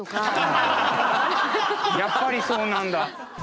やっぱりそうなんだ。